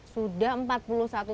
sudah empat puluh satu orang